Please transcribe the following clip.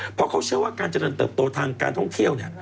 เพราะเขาเชื่อว่าการเจริญเติบโตทางการท่องเที่ยวเนี่ย